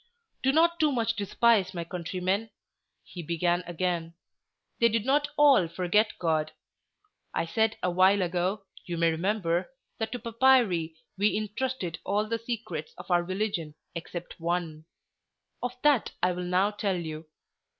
"Do not too much despise my countrymen," he began again. "They did not all forget God. I said awhile ago, you may remember, that to papyri we intrusted all the secrets of our religion except one; of that I will now tell you.